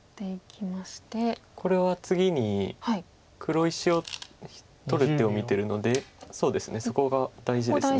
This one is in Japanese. これは次に黒石を取る手を見てるのでそうですね